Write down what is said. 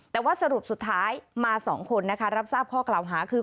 แต่ว่าสรุปสุดท้ายมา๒คนนะคะรับทราบข้อกล่าวหาคือ